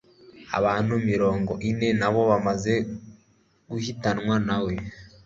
Abantu mirongo ine nibo bamaze guhitanwa nawe